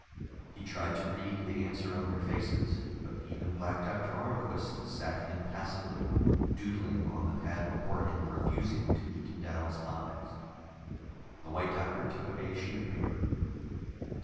He tried to read the answer on their faces, but even Black Doctor Arnquist sat impassively, doodling on the pad before him, refusing to meet Dal's eyes. The White Doctor took up a sheet of paper.